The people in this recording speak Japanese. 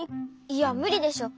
いやむりでしょ。